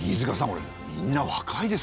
これみんな若いですよ。